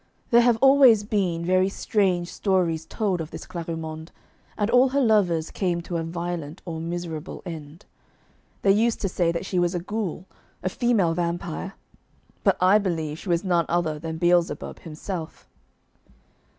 There have always been very strange stories told of this Clarimonde, and all her lovers came to a violent or miserable end. They used to say that she was a ghoul, a female vampire; but I believe she was none other than Beelzebub himself.